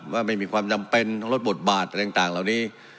ว่าไม่มีความจำเป็นต้องลดบทบาทอะไรต่างเหล่านี้